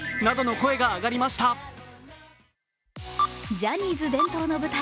ジャニーズ伝統の舞台